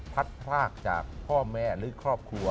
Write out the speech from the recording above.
พัดพลากจากพ่อแม่หรือครอบครัว